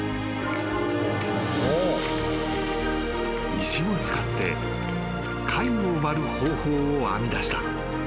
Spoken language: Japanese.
［石を使って貝を割る方法を編み出した］